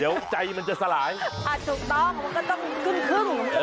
เดี๋ยวใจมันจะสลายถูกต้องก็ต้องครึ่ง